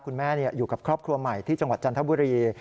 อยู่กับครอบครัวใหม่ที่จังหวัดจันทบุรี